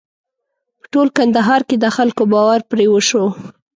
په ټول کندهار کې د خلکو باور پرې وشو.